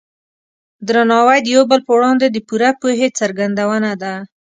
درناوی د یو بل په وړاندې د پوره پوهې څرګندونه ده.